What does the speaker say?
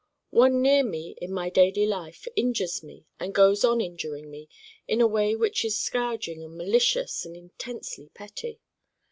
One near me in my daily life injures me and goes on injuring me in a way which is scourging and malicious and intensely petty.